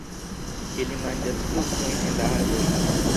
Ili manĝas fruktojn en la arboj.